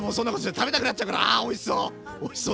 食べたくなっちゃうあおいしそう！